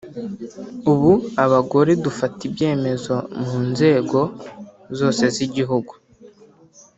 ubu abagore dufata ibyemezo mu nzego zose z’igihugu